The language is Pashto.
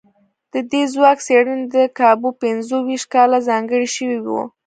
د دې ځواک څېړنې ته کابو پينځو ويشت کاله ځانګړي شوي وو.